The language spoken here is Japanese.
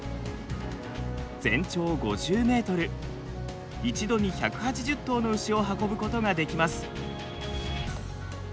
全長５０ｍ一度に１８０頭の牛を運ぶことができます。